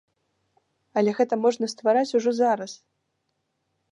Але гэта можна ствараць ужо зараз.